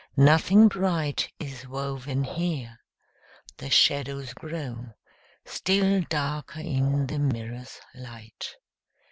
Nothing bright Is woven here: the shadows grow Still darker in the mirror's light!